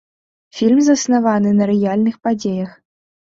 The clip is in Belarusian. Фільм заснаваны на рэальных падзеях.